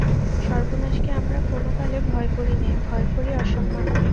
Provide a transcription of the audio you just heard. সর্বনাশকে আমরা কোনোকালে ভয় করি নে, ভয় করি অসম্মানকে।